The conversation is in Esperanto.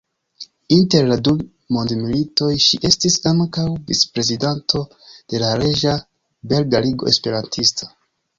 Inter la du mondmilitoj ŝi estis ankaŭ vicprezidanto de la Reĝa Belga Ligo Esperantista.